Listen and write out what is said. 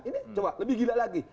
ini coba lebih gila lagi